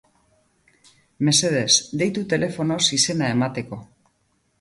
Mesedez, deitu telefonoz izena emateko.